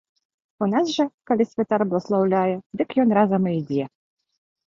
У нас жа, калі святар бласлаўляе, дык ён разам і ідзе.